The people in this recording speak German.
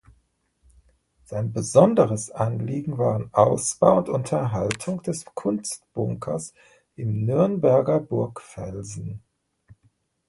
Sein besonderes Anliegen waren Ausbau und Unterhaltung des Kunstbunkers im Nürnberger Burgfelsen.